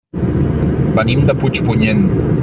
Venim de Puigpunyent.